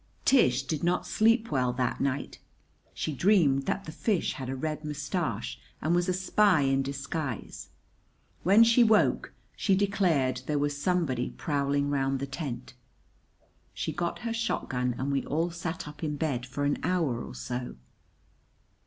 Tish did not sleep well that night. She dreamed that the fish had a red mustache and was a spy in disguise. When she woke she declared there was somebody prowling round the tent. She got her shotgun and we all sat up in bed for an hour or so.